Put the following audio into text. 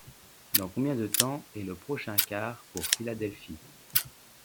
Dans combien de temps est le prochain car pour Philadelphie ?